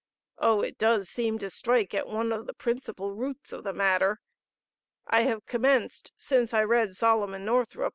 Oh, it does seem to strike at one of the principal roots of the matter. I have commenced since I read Solomon Northrup.